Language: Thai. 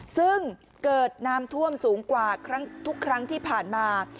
ซึ่งเกิดน้ำท่วมสูงกว่าทุกครั้งที่ผ่านมา